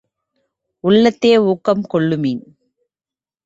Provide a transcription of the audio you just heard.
உள்ளத்தே ஊக்கம் கொள்ளுமின்!